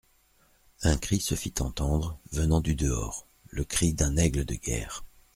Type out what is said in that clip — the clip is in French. Un cri se fit entendre, venant du dehors : le cri d'un aigle de guerre.